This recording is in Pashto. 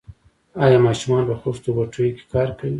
آیا ماشومان په خښتو بټیو کې کار کوي؟